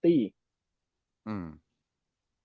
อืม